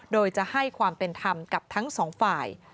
โดยจะให้ความเป็นธรรมกับทั้งสองฝ่าย